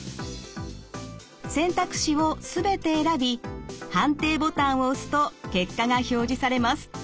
選択肢を全て選び判定ボタンを押すと結果が表示されます。